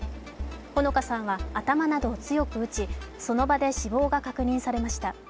穂香さんは頭などを強く打ちその場で死亡が確認されました。